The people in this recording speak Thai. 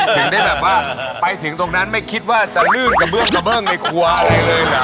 ถึงได้แบบว่าไปถึงตรงนั้นไม่คิดว่าจะลื่นกระเบื้องกระเบื้องในครัวอะไรเลยเหรอ